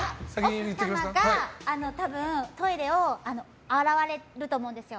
「奥様が多分トイレを洗われると思うんですよ。